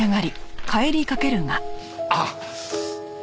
あっ！